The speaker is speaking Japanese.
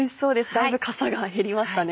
だいぶかさが減りましたね。